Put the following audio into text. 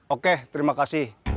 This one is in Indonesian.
oke terima kasih